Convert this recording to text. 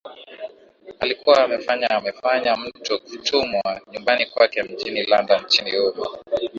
alikuwa amefanya amemfanya mtu kutumwa nyumbani kwake mjini london nchini humo